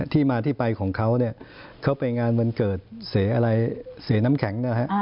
ที่มาที่ไปของเขาเขาไปงานวันเกิดเสน้ำแข็งนะฮะ